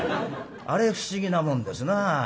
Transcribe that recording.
あれ不思議なもんですな。